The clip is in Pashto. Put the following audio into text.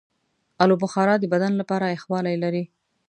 آلوبخارا د بدن لپاره یخوالی لري.